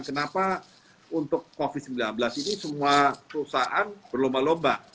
kenapa untuk covid sembilan belas ini semua perusahaan berlomba lomba